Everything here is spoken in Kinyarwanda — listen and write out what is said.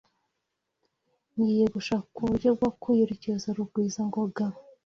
Ngiye gushaka uburyo bwo kubiryoza Rugwizangoga.